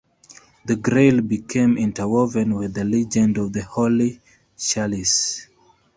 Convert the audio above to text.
The "Grail" became interwoven with the legend of the Holy Chalice.